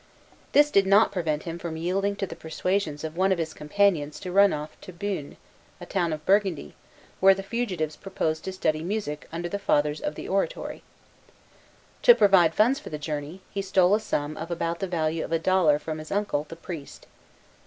This did not prevent him from yielding to the persuasions of one of his companions to run off to Beaune, a town of Burgundy, where the fugitives proposed to study music under the Fathers of the Oratory. To provide funds for the journey, he stole a sum of about the value of a dollar from his uncle, the priest.